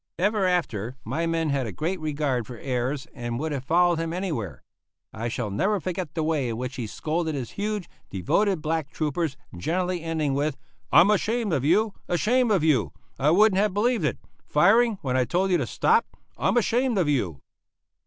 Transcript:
Ever after my men had a great regard for Ayres, and would have followed him anywhere. I shall never forget the way in which he scolded his huge, devoted black troopers, generally ending with "I'm ashamed of you, ashamed of you! I wouldn't have believed it! Firing; when I told you to stop! I'm ashamed of you!"